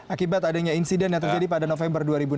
akibat adanya insiden yang terjadi pada november dua ribu enam belas